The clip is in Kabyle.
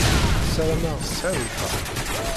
Sarameɣ tesɛiḍ lḥeqq.